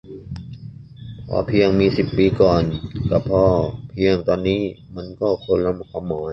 พอเพียง เมื่อสิบปีก่อน กับ พอเพียง ตอนนี้ มันก็คนละความหมาย